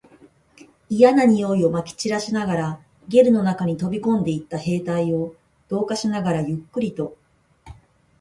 嫌な臭いを撒き散らしながら、ゲルの中に飛び込んでいった隊員を同化しながら、ゆっくりと